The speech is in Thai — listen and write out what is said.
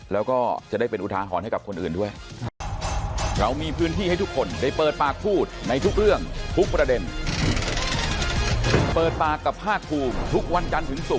แล้วก็จะได้เป็นอุทาหรณ์ให้กับคนอื่นด้วย